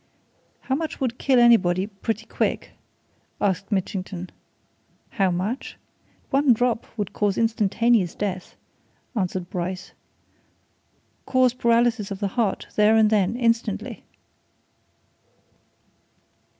"How much would kill anybody pretty quick?" asked Mitchington. "How much? One drop would cause instantaneous death!" answered Bryce. "Cause paralysis of the heart, there and then, instantly!"